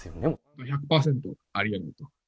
１００％ありえない。